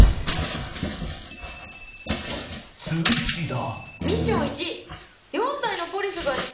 ［通知だ］